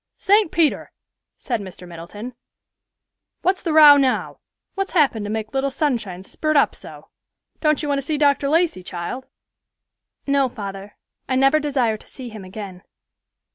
"Saint Peter!" said Mr. Middleton. "What's the row now? What's happened to make little Sunshine spirt up so? Don't you want to see Dr. Lacey, child?" "No, father; I never desire to see him again."